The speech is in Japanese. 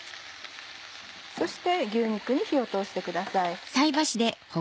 そして牛肉に火を通してください。